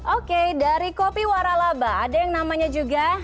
oke dari kopi waralaba ada yang namanya juga